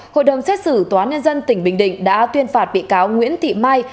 hội đồng xét xử tòa nhân dân tỉnh bình định đã tuyên phạt bị cáo nguyễn thị mai